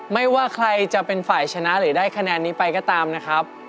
ไม่ว่าใครจะเป็นฝ่ายชนะหรือได้คะแนนนี้ไปก็ตามนะครับ